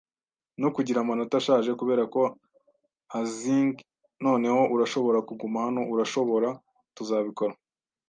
no kugira amanota ashaje kuberako hazing, noneho urashobora kuguma hano, urashobora. Tuzabikora